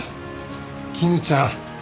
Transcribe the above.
絹ちゃん。